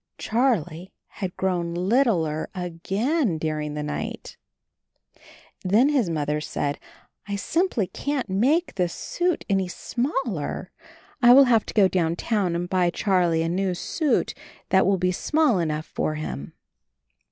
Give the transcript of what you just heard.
Charlie had grown littler again during the night. Then his Mother said, 'T simply can't make this suit any smaller; I will have to 82 CHARLIE go downtown and buy Charlie a new suit that will be small enough for him."